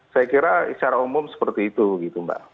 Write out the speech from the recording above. saya kira secara umum seperti itu gitu mbak